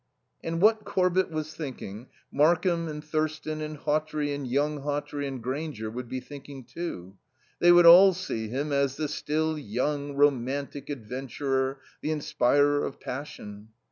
And what Corbett was thinking, Markham and Thurston, and Hawtrey and young Hawtrey, and Grainger, would be thinking too. They would all see him as the still young, romantic adventurer, the inspirer of passion.